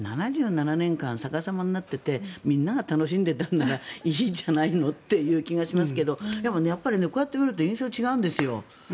７７年間逆さまになっていてみんなが楽しんでいたならいいじゃないのという気がしますがでもやっぱり、こうやって見ると印象が違うんですよ。